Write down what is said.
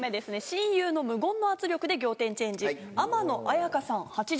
「親友の無言の圧力で仰天チェンジ天野彩香さん８０ｋｇ」